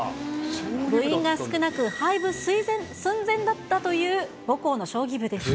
部員が少なく、廃部寸前だったという母校の将棋部ですが。